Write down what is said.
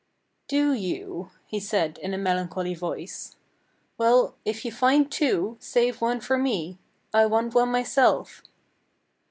"Do you?" he said in a melancholy voice. "Well, if you find two, save one for me. I want one myself."